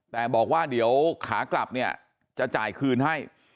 แต่บอกว่าเดี๋ยวขากลับเนี่ยจะจ่ายคืนให้